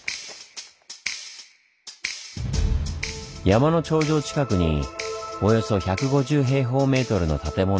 山の頂上近くにおよそ１５０平方メートルの建物。